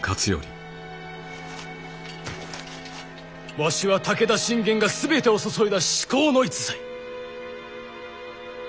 わしは武田信玄が全てを注いだ至高の逸材。